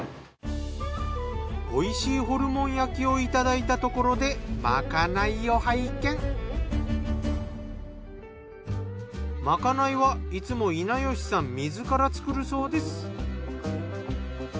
美味しいホルモン焼きをいただいたところでまかないはいつも稲吉さん自ら作るそうです。